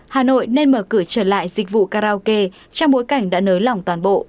hà nội nên mở cửa trở lại dịch vụ karaoke trong bối cảnh đã nới lỏng toàn bộ